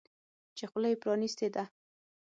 چې خوله یې پرانیستې ده.